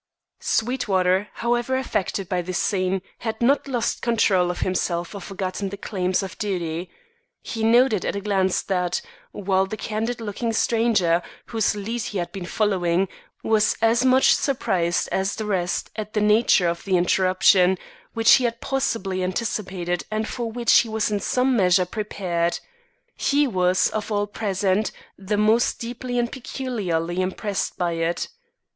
_ Sweetwater, however affected by this scene, had not lost control of himself or forgotten the claims of duty. He noted at a glance that, while the candid looking stranger, whose lead he had been following, was as much surprised as the rest at the nature of the interruption which he had possibly anticipated and for which he was in some measure prepared he was, of all present, the most deeply and peculiarly impressed by it.